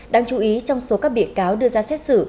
đáng chú ý trong số các bị cáo đưa ra xét xử